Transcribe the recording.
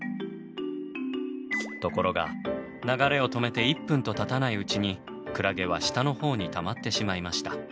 ところが流れを止めて１分とたたないうちにクラゲは下のほうにたまってしまいました。